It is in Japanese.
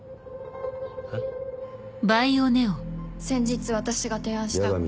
先日私が提案した。